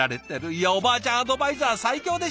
いやおばあちゃんアドバイザー最強でしょ！